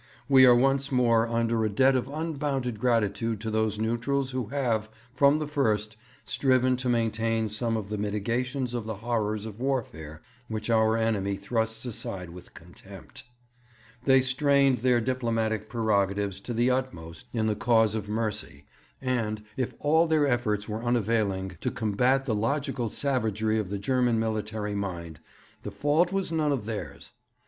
We are once more under a debt of unbounded gratitude to those neutrals who have, from the first, striven to maintain some of the mitigations of the horrors of warfare which our enemy thrusts aside with contempt. They strained their diplomatic prerogatives to the utmost in the cause of mercy, and, if all their efforts were unavailing to combat the logical savagery of the German military mind, the fault was none of theirs.